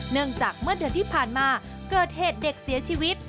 เนื่องจากเมื่อเดือนที่ผ่านมาเกิดเหตุเด็กเสียชีวิต